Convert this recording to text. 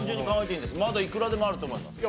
まだいくらでもあると思います。